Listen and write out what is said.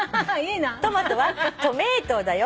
「『トマトはトメイトだよ』」